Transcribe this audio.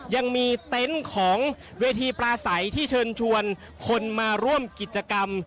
ยังมีเต็นต์ของเวทีปลาใสที่เชิญชวนคนมาร่วมกิจกรรม